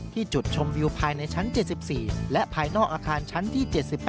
จุดชมวิวภายในชั้น๗๔และภายนอกอาคารชั้นที่๗๘